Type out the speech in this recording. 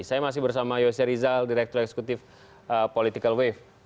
saya masih bersama yose rizal direktur eksekutif political wave